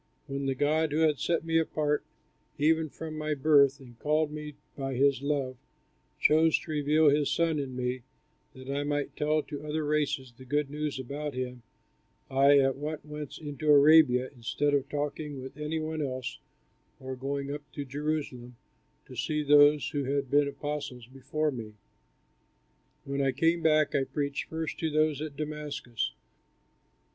When the God, who had set me apart even from my birth and called me by his love, chose to reveal his Son in me that I might tell to other races the good news about him, I at once went into Arabia instead of talking with any one else or going up to Jerusalem to see those who had been apostles before me. When I came back I preached first to those at Damascus.